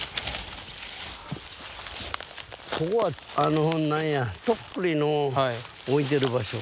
ここはあのなんやとっくりの置いてる場所。